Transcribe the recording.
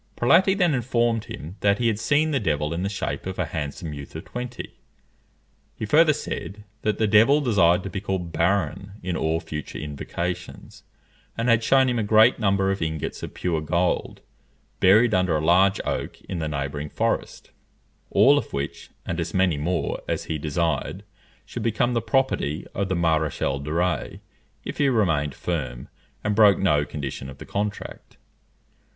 Prelati then informed him that he had seen the devil in the shape of a handsome youth of twenty. He further said, that the devil desired to be called Barron in all future invocations; and had shewn him a great number of ingots of pure gold, buried under a large oak in the neighbouring forest, all of which, and as many more as he desired, should become the property of the Maréchal de Rays if he remained firm, and broke no condition of the contract.